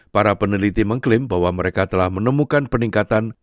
para peneliti mengklaim bahwa mereka telah menemukan peningkatan